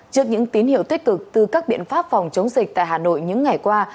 trước những tín hiệu tích cực từ các biện pháp phòng chống dịch tại hà nội những ngày qua